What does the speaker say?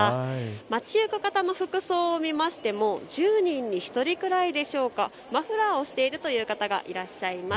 街行く方の服装を見ましても１０人に１人くらいでしょうか、マフラーをしているという方がいらっしゃいます。